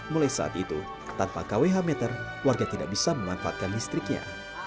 mulai saat itu tanpa kwh meter warga tidak bisa memanfaatkan listriknya